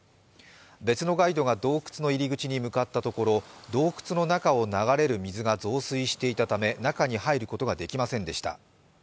別のガイドが洞窟の入り口に向かったところ洞窟の中を流れる水が増水していたため中に入ることができませんでした。